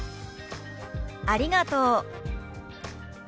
「ありがとう」。